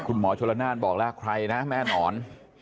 คุณหมอชลนานบอกว่าใครนะแม่นอน